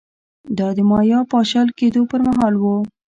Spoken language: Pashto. دا د مایا پاشل کېدو پرمهال و